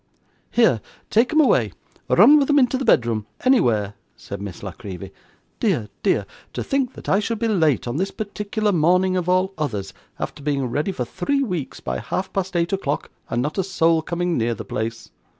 'Here, take 'em away; run with 'em into the bedroom; anywhere,' said Miss La Creevy. 'Dear, dear; to think that I should be late on this particular morning, of all others, after being ready for three weeks by half past eight o'clock, and not a soul coming near the place!